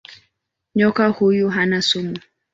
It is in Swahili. Nyoka huyu hana sumu.